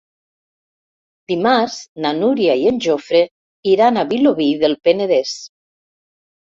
Dimarts na Núria i en Jofre iran a Vilobí del Penedès.